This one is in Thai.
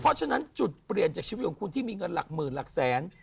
เพราะฉะนั้นจุดเปลี่ยนจากชีวิตของคุณที่มีเงินหลักหมื่นหลักแสน